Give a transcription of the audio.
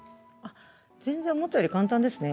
思ったより簡単ですね。